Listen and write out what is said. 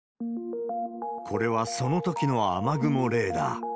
これはそのときの雨雲レーダー。